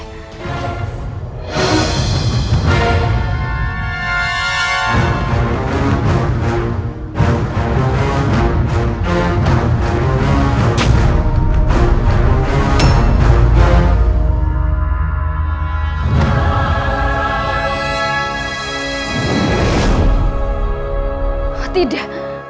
tidak tidak mungkin